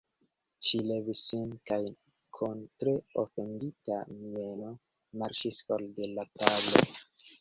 Ŝi levis sin kaj kun tre ofendita mieno marŝis for de la tablo.